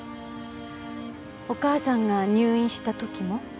お母さんが入院した時も？